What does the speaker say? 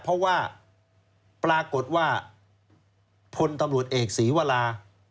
เพราะว่าปรากฏว่าพลตำรวจเอกศรีวรา